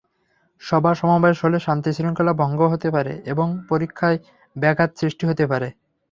সভা-সমাবেশ হলে শান্তিশৃঙ্খলা ভঙ্গ হতে পারে এবং পরীক্ষায় ব্যাঘাত সৃষ্টি হতে পারে।